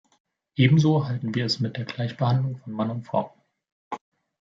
Ebenso halten wir es mit der Gleichbehandlung von Mann und Frau.